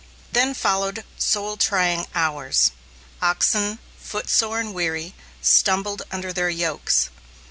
Then followed soul trying hours. Oxen, footsore and weary, stumbled under their yokes.